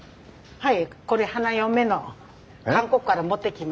はい。